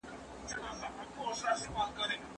خلک د ارغنداب سیند ترڅنګ مېلې کوي.